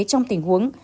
trong tình huống